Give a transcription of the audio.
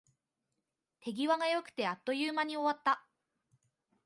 手際が良くて、あっという間に終わった